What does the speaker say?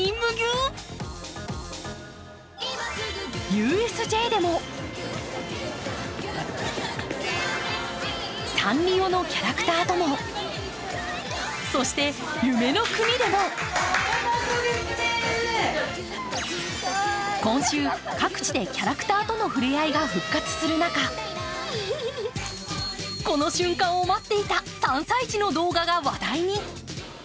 ＵＳＪでもサンリオのキャラクターともそして夢の国でも今週、各地でキャラクターとのふれあいが復活する中、この瞬間を待っていた３歳児の動画が話題に。